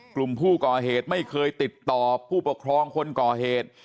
กลุ่มผู้ก่อเหตุไม่เคยติดต่อผู้ปกครองคนก่อเหตุ